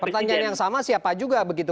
pertanyaan yang sama siapa juga begitu